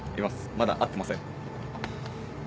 まだ会ってません。